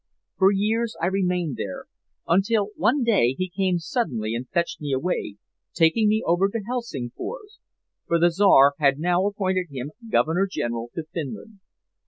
For years I remained there, until one day he came suddenly and fetched me away, taking me over to Helsingfors for the Czar had now appointed him Governor General to Finland.